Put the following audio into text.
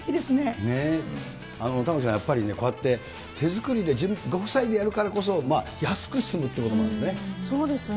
玉城さん、やっぱりね、こうやって手作りでご夫妻でやるからこそ安く済むということもあそうですね。